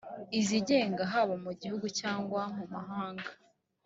izigenga haba mu gihugu cyangwa mu mahanga